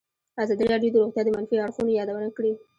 ازادي راډیو د روغتیا د منفي اړخونو یادونه کړې.